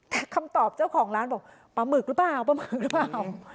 แต่คำตอบเจ้าของร้านปลาหมึกหรือเปล่า